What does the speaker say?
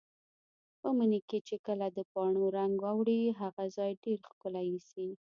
په مني کې چې کله د پاڼو رنګ اوړي، هغه ځای ډېر ښکلی ایسي.